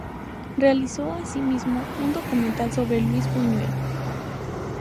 Realizó, asimismo, un documental sobre Luis Buñuel.